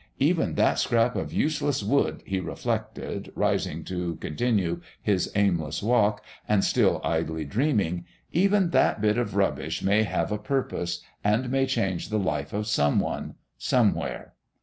"Even that scrap of useless wood," he reflected, rising to continue his aimless walk, and still idly dreaming, "even that bit of rubbish may have a purpose, and may change the life of someone somewhere!"